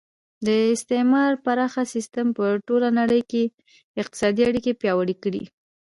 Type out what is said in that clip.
د استعمار پراخه سیسټم په ټوله نړۍ کې اقتصادي اړیکې پیاوړې کړې